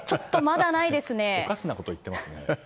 おかしなことを言ってますね。